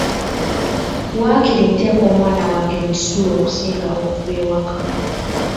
Waakiri nteeka omwana wange mu kisulo okusinga okuva ewaka.